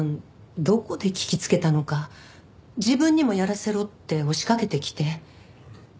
どこで聞きつけたのか「自分にもやらせろ」って押しかけてきて。